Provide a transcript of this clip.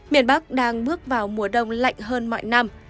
miền bắc đang bước vào mùa đông lạnh hơn mọi năm